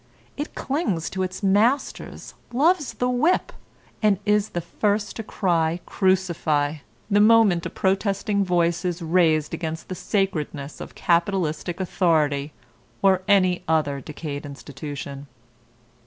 It clings to its masters, loves the whip, and is the first to cry Crucify! the moment a protesting voice is raised against the sacredness of capitalistic authority or any other decayed institution.